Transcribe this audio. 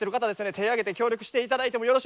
手挙げて協力して頂いてもよろしいでしょうか？